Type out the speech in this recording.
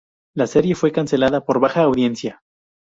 La serie fue cancelada por baja audiencia.